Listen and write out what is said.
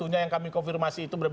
yang kami konfirmasi itu berapa